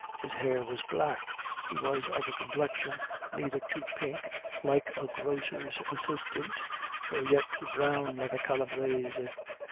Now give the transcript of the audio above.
His hair was black; he was of a complexion neither too pink, like a grocer's assistant, nor yet too brown, like a Calabrese.